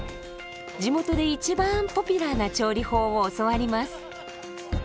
地元で一番ポピュラーな調理法を教わります。